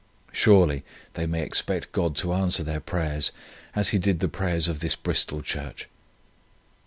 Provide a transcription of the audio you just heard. Surely they may expect GOD to answer their prayers as He did the prayers of this Bristol church.